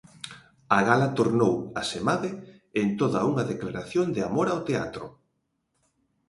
A gala tornou, asemade, en toda unha declaración de amor ao teatro.